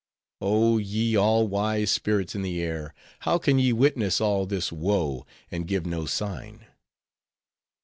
Oh, ye all wise spirits in the air, how can ye witness all this woe, and give no sign?